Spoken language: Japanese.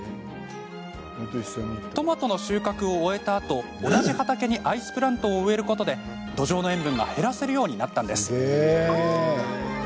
トマトの収穫を終えたあと同じ畑にアイスプラントを植えることで土壌の塩分が減らせるようになったんです。